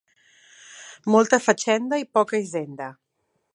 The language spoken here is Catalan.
Molta fatxenda i poca hisenda.